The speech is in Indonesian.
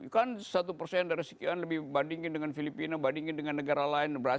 kan satu persen dari sekian lebih bandingin dengan filipina bandingin dengan negara lain